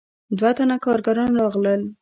دوه تنه کارګران راغلل.